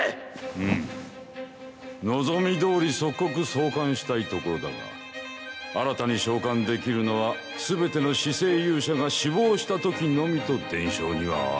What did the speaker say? うむ望みどおり即刻送還したいところだが新たに召喚できるのは全ての四聖勇者が死亡した時のみと伝承にはある。